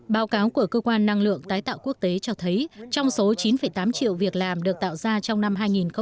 báo cáo của cơ quan năng lượng tái tạo quốc tế cho thấy trong số chín tám triệu việc làm được tạo ra trong năm hai nghìn một mươi chín